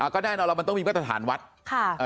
ก็ได้มันต้องมีมาตรฐานวัฒน์